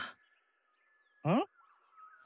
うん？